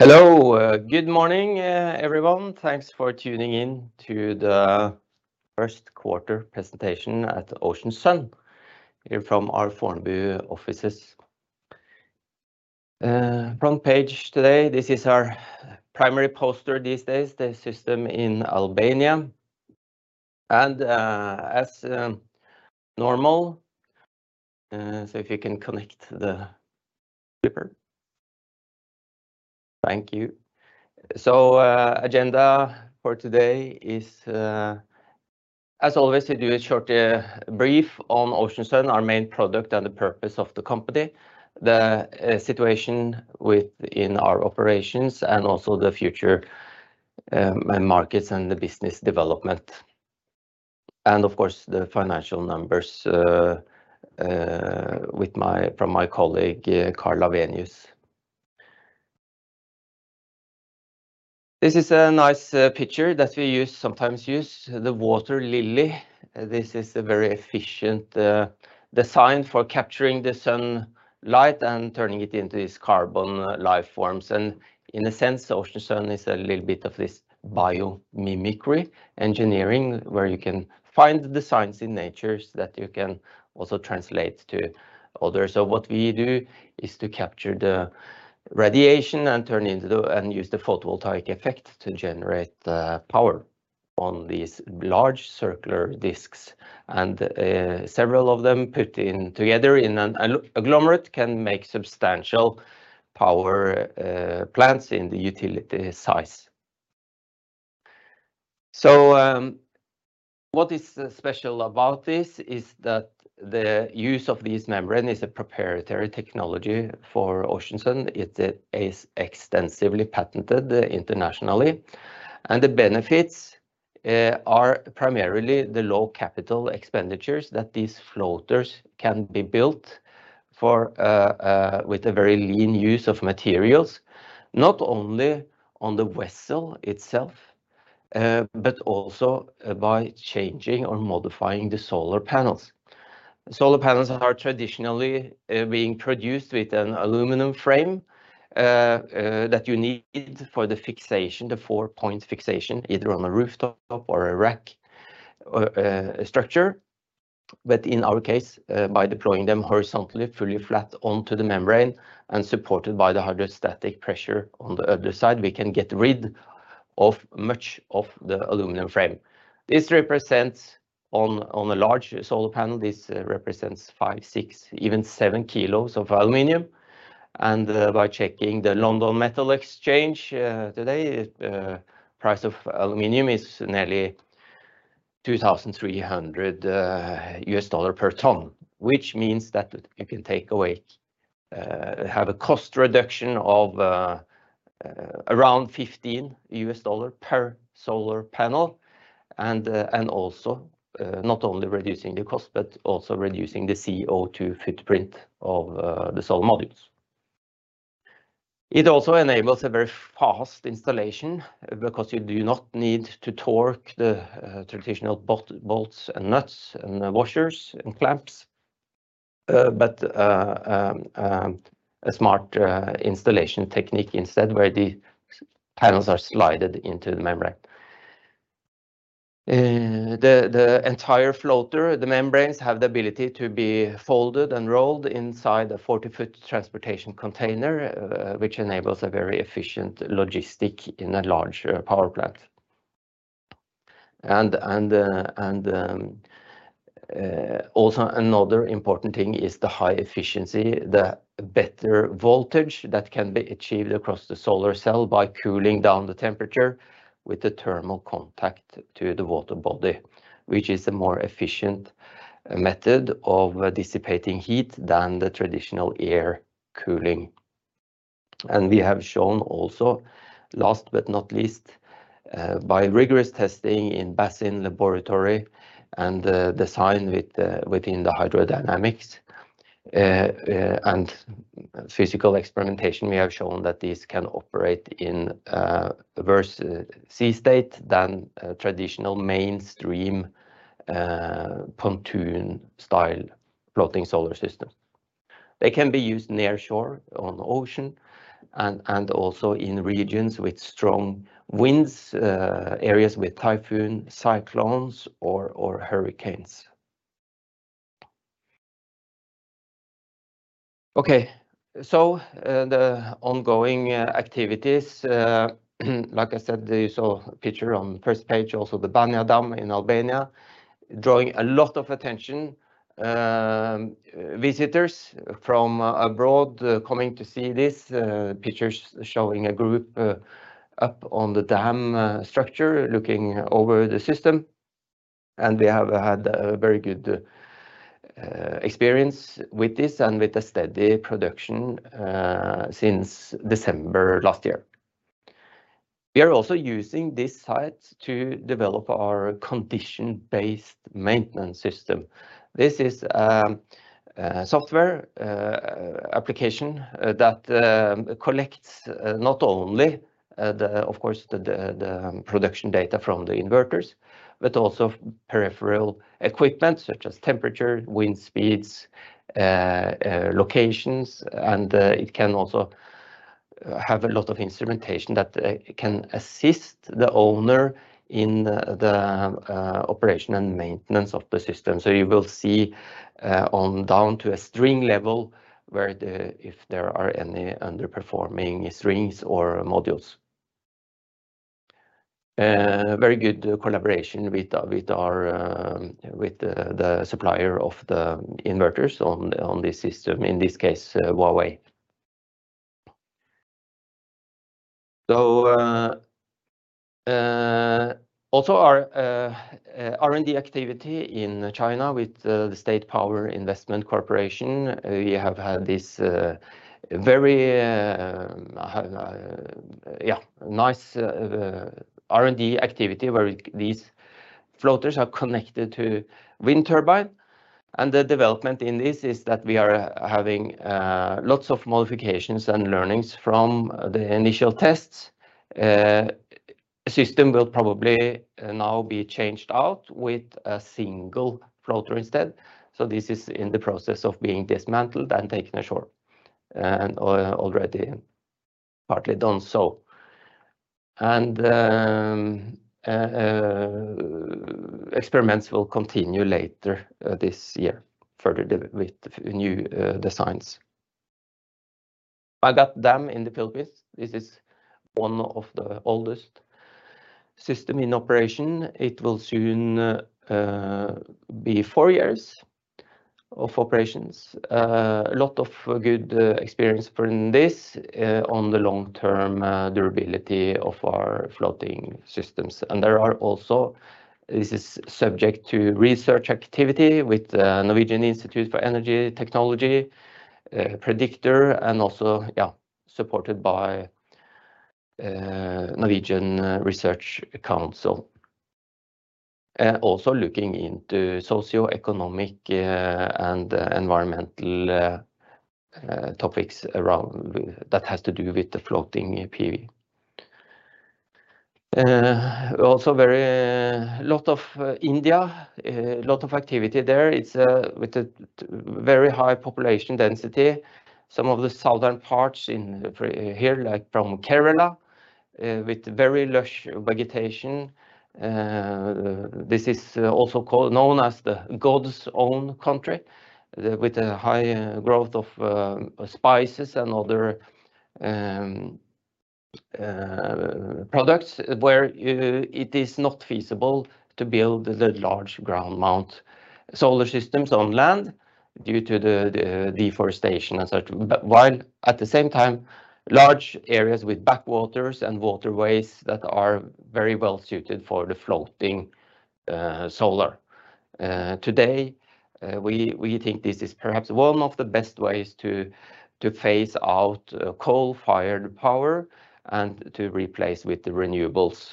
Hello. Good morning, everyone. Thanks for tuning in to the 1Q presentation at Ocean Sun here from our Fornebu offices. Front page today, this is our primary poster these days, the system in Albania. As normal, if you can connect the zipper. Thank you. Agenda for today is as always, to do a short brief on Ocean Sun, our main product, and the purpose of the company. The situation in our operations, and also the future, and markets and the business development. Of course, the financial numbers from my colleague, Karl Lawenius. This is a nice picture that we sometimes use, the water lily. This is a very efficient design for capturing the sun light and turning it into this carbon life forms. In a sense, Ocean Sun is a little bit of this biomimicry engineering, where you can find the designs in nature so that you can also translate to others. What we do is to capture the radiation and use the photovoltaic effect to generate the power on these large circular disks. Several of them put in together in an agglomerate can make substantial power plants in the utility size. What is special about this is that the use of this membrane is a proprietary technology for Ocean Sun. It is extensively patented internationally, and the benefits are primarily the low capital expenditures that these floaters can be built for with a very lean use of materials, not only on the vessel itself, but also by changing or modifying the solar panels. Solar panels are traditionally being produced with an aluminum frame that you need for the fixation, the four-point fixation, either on a rooftop or a rack, or a structure. In our case, by deploying them horizontally, fully flat onto the membrane, and supported by the hydrostatic pressure on the other side, we can get rid of much of the aluminum frame. This represents on a large solar panel, this represents five, six, even seven kilos of aluminum. By checking the London Metal Exchange today, price of aluminum is nearly $2,300 per ton, which means that you can take away, have a cost reduction of around $15 per solar panel. Also, not only reducing the cost, but also reducing the CO2 footprint of the solar modules. It also enables a very fast installation because you do not need to torque the traditional bolts and nuts and washers and clamps, but a smart installation technique instead, where the panels are slided into the membrane. The entire floater, the membranes have the ability to be folded and rolled inside a 40-foot transportation container, which enables a very efficient logistic in a large power plant. Also another important thing is the high efficiency, the better voltage that can be achieved across the solar cell by cooling down the temperature with the thermal contact to the water body, which is a more efficient method of dissipating heat than the traditional air cooling. We have shown also, last but not least, by rigorous testing in basin laboratory and design within the hydrodynamics and physical experimentation, we have shown that these can operate in a worse sea state than traditional mainstream pontoon-style floating solar systems. They can be used near shore, on the ocean, and also in regions with strong winds, areas with typhoon, cyclones or hurricanes. Okay. The ongoing activities, like I said, you saw a picture on first page, also the Banja dam in Albania, drawing a lot of attention. Visitors from abroad coming to see this. Picture's showing a group up on the dam structure, looking over the system. We have had a very good experience with this and with the steady production since December last year. We are also using this site to develop our condition-based maintenance system. This is a software application that collects not only the, of course, the production data from the inverters, but also peripheral equipment such as temperature, wind speeds, locations. It can also have a lot of instrumentation that can assist the owner in the operation and maintenance of the system. You will see on down to a string level where if there are any underperforming strings or modules. Very good collaboration with our, with the supplier of the inverters on this system, in this case, Huawei. Also our R&D activity in China with the State Power Investment Corporation, we have had this very nice R&D activity where these floaters are connected to wind turbine. The development in this is that we are having lots of modifications and learnings from the initial tests. System will probably now be changed out with a single floater instead. This is in the process of being dismantled and taken ashore, and already partly done so. Experiments will continue later this year further with new designs. Magat Dam in the Philippines, this is one of the oldest system in operation. It will soon be four years of operations. A lot of good experience from this on the long-term durability of our floating systems. There are also. This is subject to research activity with Institute for Energy Technology, Prediktor, and also supported by The Research Council of Norway. Also looking into socioeconomic and environmental topics around that has to do with the floating PV. Also very lot of India, lot of activity there. It's with a very high population density. Some of the southern parts in here, like from Kerala, with very lush vegetation. This is also known as the God's own country, with a high growth of spices and other products, where it is not feasible to build the large ground mount solar systems on land due to the deforestation and such. While at the same time, large areas with backwaters and waterways that are very well-suited for the floating solar. Today, we think this is perhaps one of the best ways to phase out coal-fired power and to replace with the renewables,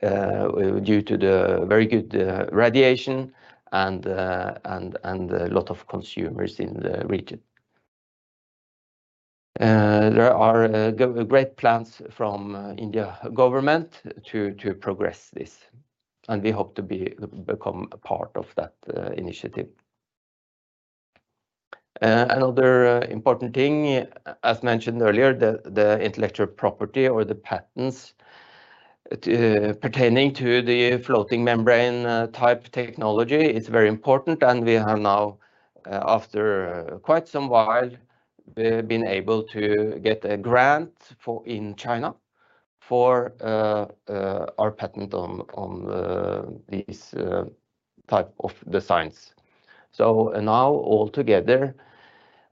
due to the very good radiation and a lot of consumers in the region. There are great plans from India government to progress this, and we hope to become a part of that initiative. Another important thing, as mentioned earlier, the intellectual property or the patents, pertaining to the floating membrane type technology, it's very important and we have now, after quite some while, been able to get a grant for in China for our patent on these type of designs. Now altogether,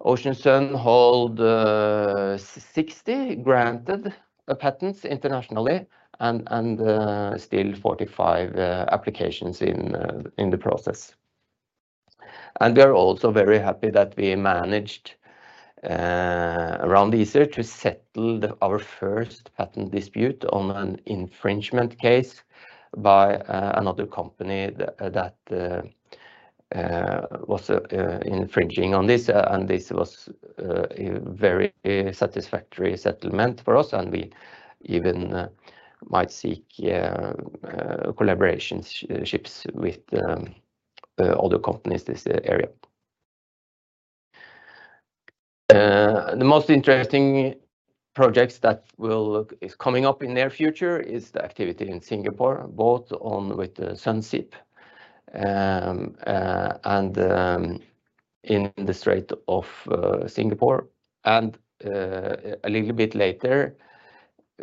Ocean Sun hold, 60 granted patents internationally and still 45 applications in the process. We are also very happy that we managed around easier to settle our first patent dispute on an infringement case by another company that was infringing on this, and this was a very satisfactory settlement for us, and we even might seek, yeah, collaborations, ships with other companies this area. The most interesting projects is coming up in near future is the activity in Singapore, both on with the Sunseap, and in the Singapore Strait, and a little bit later,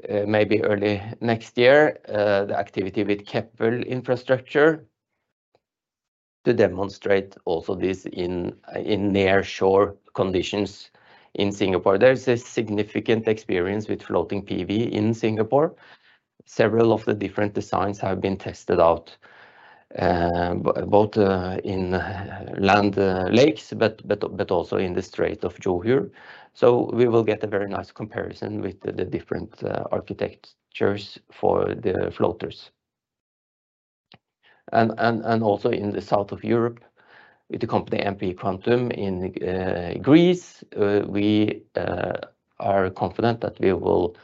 maybe early next year, the activity with Keppel Infrastructure to demonstrate also this in near shore conditions in Singapore. There is a significant experience with floating PV in Singapore. Several of the different designs have been tested out, both in land lakes, but also in the Strait of Johor. We will get a very nice comparison with the different architectures for the floaters. Also in the south of Europe with the company MP Quantum in Greece, we are confident that we will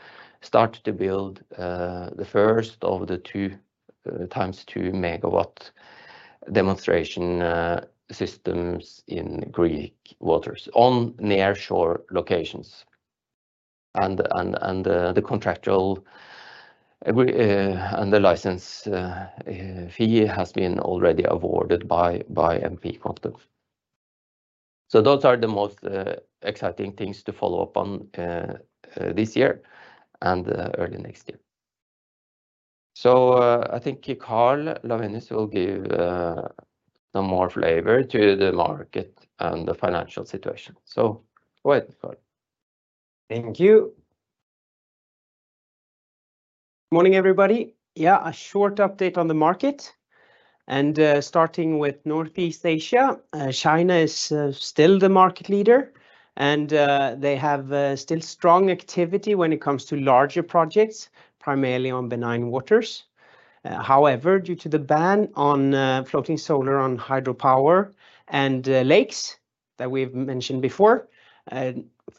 start to build the first of the 2 times 2 MW demonstration systems in Greek waters on nearshore locations. The contractual and the license fee has been already awarded by MP Quantum. Those are the most exciting things to follow up on this year and early next year. I think Karl Lawenius will give some more flavor to the market and the financial situation. Go ahead, Karl. Thank you. Morning, everybody. A short update on the market, starting with Northeast Asia. China is still the market leader, they have still strong activity when it comes to larger projects, primarily on benign waters. However, due to the ban on floating solar on hydropower and lakes that we've mentioned before,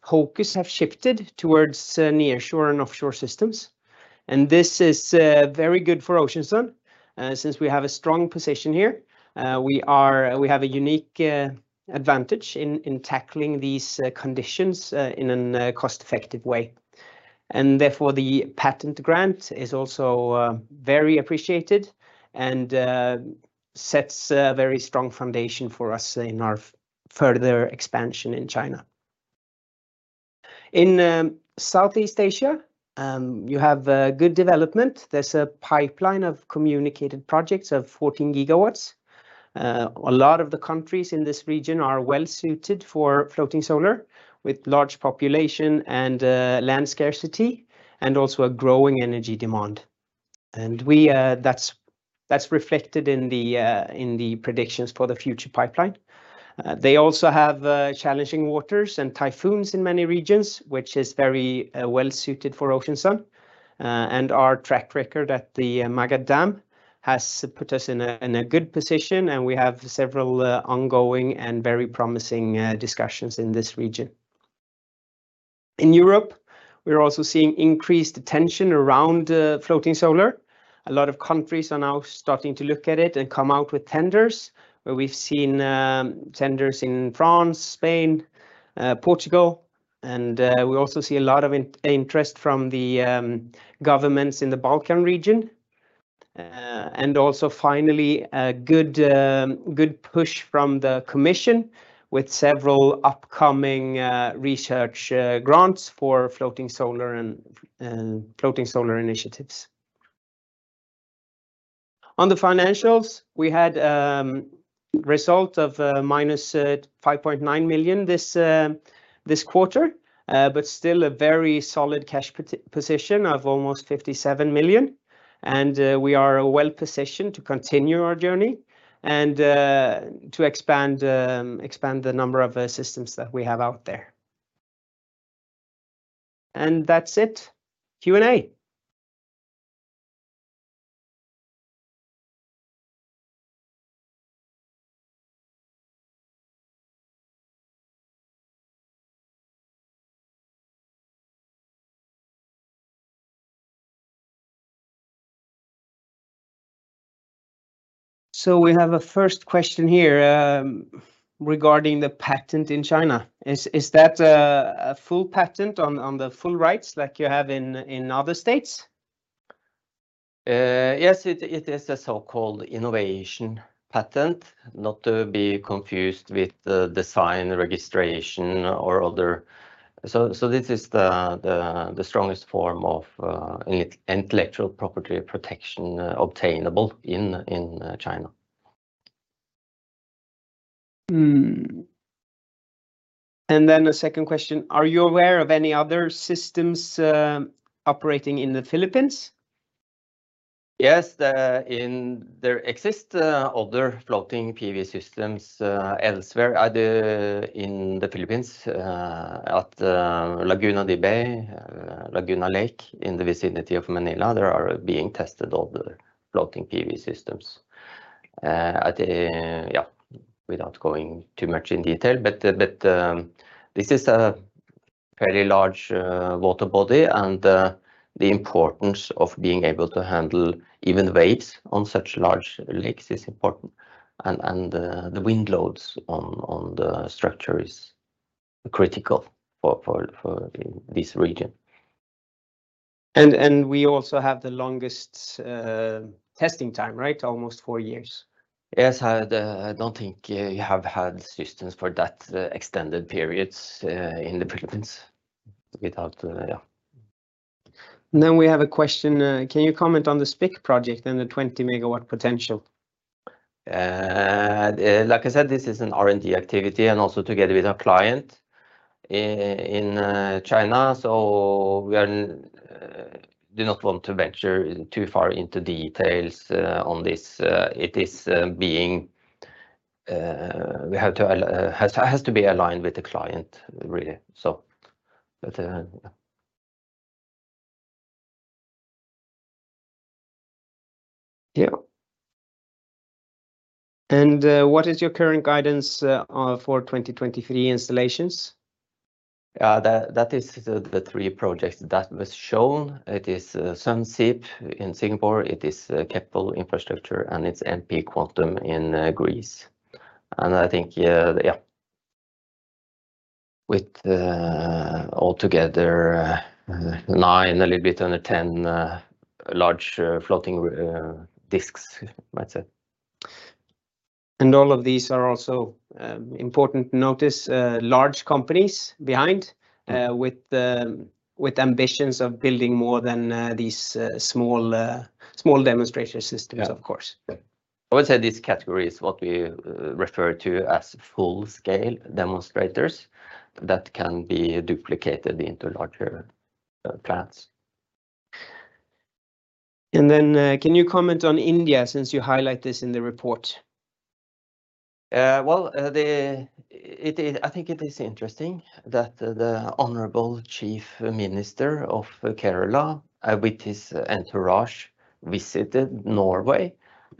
focus have shifted towards nearshore and offshore systems. This is very good for Ocean Sun, since we have a strong position here. We have a unique advantage in tackling these conditions in a cost-effective way. Therefore, the patent grant is also very appreciated and sets a very strong foundation for us in our further expansion in China. In Southeast Asia, you have a good development. There's a pipeline of communicated projects of 14 GWs. A lot of the countries in this region are well suited for floating solar, with large population and land scarcity, and also a growing energy demand. And we, that's reflected in the predictions for the future pipeline. They also have challenging waters and typhoons in many regions, which is very well suited for Ocean Sun. And our track record at the Magat Dam has put us in a good position, and we have several ongoing and very promising discussions in this region. In Europe, we're also seeing increased attention around floating solar. A lot of countries are now starting to look at it and come out with tenders. We've seen tenders in France, Spain, Portugal. We also see a lot of interest from the governments in the Balkan region. Finally, a good push from the commission with several upcoming research grants for floating solar and floating solar initiatives. On the financials, we had a result of minus 5.9 million this quarter, but still a very solid cash position of almost 57 million. We are well positioned to continue our journey and to expand the number of systems that we have out there. That's it. Q&A. We have a first question here regarding the patent in China. Is that a full patent on the full rights like you have in other states? Yes, it is a so-called innovation patent, not to be confused with the design registration or other. This is the strongest form of intellectual property protection, obtainable in China. The second question: Are you aware of any other systems, operating in the Philippines? There exist other floating PV systems elsewhere. In the Philippines, at Laguna de Bay, Laguna Lake in the vicinity of Manila, there are being tested other floating PV systems. Without going too much in detail, this is a fairly large water body, the importance of being able to handle even waves on such large lakes is important. The wind loads on the structure is critical for this region. We also have the longest testing time, right? Almost four years. Yes, don't think you have had systems for that extended periods, in the Philippines without, yeah. We have a question, can you comment on the SPIC project and the 20 MW potential? Like I said, this is an R&D activity and also together with a client in China, we are do not want to venture too far into details on this. It is being has to be aligned with the client, really. Yeah. What is your current guidance for 2023 installations? That is the three projects that was shown. It is Sunseap in Singapore, it is Keppel Infrastructure, and it's MP Quantum in Greece. I think, yeah. With all together, nine, a little bit under 10, large floating disks, let's say. All of these are also, important to notice, large companies behind-. Yeah... with ambitions of building more than these small demonstration systems. Yeah ...of course. I would say this category is what we refer to as full scale demonstrators that can be duplicated into larger plants. Can you comment on India since you highlight this in the report? Well, it is, I think it is interesting that the honorable chief minister of Kerala, with his entourage, visited Norway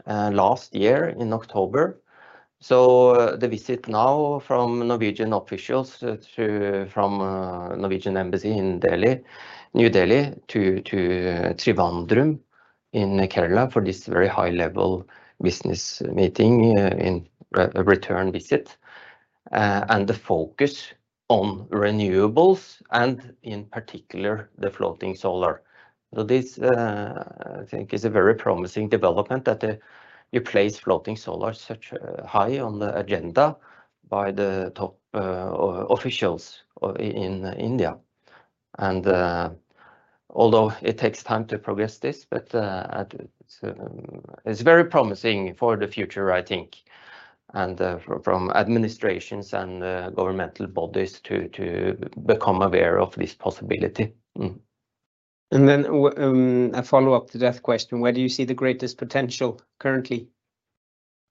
last year in October. The visit now from Norwegian officials, through from Royal Norwegian Embassy in New Delhi, to Trivandrum in Kerala for this very high level business meeting, in a return visit. The focus on renewables and in particular, the floating solar. This, I think is a very promising development that you place floating solar such high on the agenda by the top officials in India. Although it takes time to progress this, but so it's very promising for the future, I think, and from administrations and governmental bodies to become aware of this possibility. A follow-up to that question, where do you see the greatest potential currently?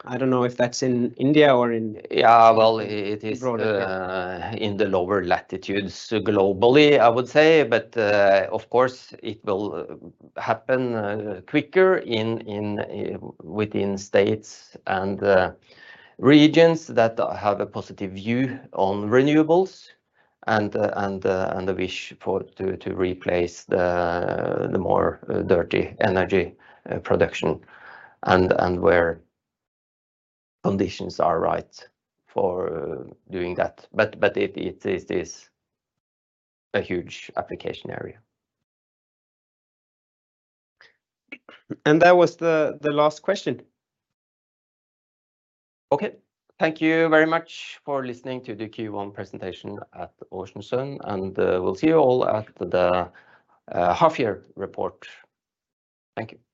I don't know if that's in India or. Yeah. Well, it is.... broader... in the lower latitudes globally, I would say. Of course, it will happen quicker in within states and regions that have a positive view on renewables and a wish for to replace the more dirty energy production and where conditions are right for doing that. It is a huge application area. That was the last question. Okay. Thank you very much for listening to the Q1 presentation at Ocean Sun, and we'll see you all at the half year report. Thank you.